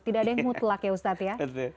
tidak ada yang mutlak ya ustadz ya